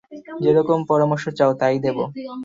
যেরকম পরামর্শ চাও, তাই দেব।